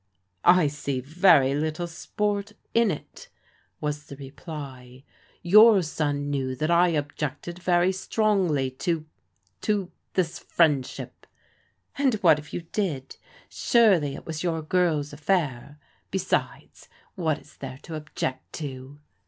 " I see very little sport in it," was the reply. " Your son knew that I objected very strongly to — ^to — ^this friendship." " And what if you did? Surely it was your girl's af fair. Besides, what is there to object to?"